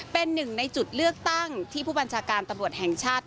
เป็นหนึ่งในจุดเลือกตั้งที่ผู้บัญชาการตำรวจแห่งชาติ